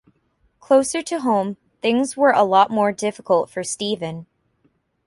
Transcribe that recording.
Closer to home, things were a lot more difficult for Stephen.